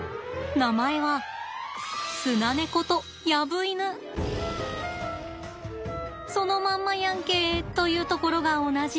名前はそのまんまやんけ！というところが同じ。